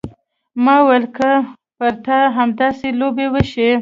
ما وويل که پر تا همداسې لوبې وشي.